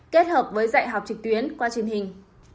kết hợp với dạy học trực tuyến qua truyền hình